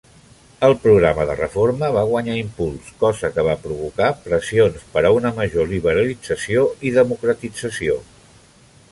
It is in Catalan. El programa de reforma va guanyar impuls, cosa que va provocar pressions per a una major liberalització i democratització.